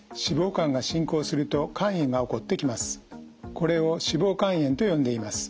これを脂肪肝炎と呼んでいます。